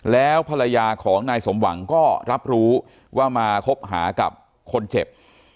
แล้วภรรยาของนายสมหวังก็รับรู้ว่ามาคบหากับคนเจ็บ